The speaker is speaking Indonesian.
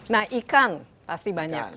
nah ikan pasti banyak